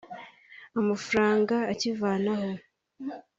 amafaranga ikivanaho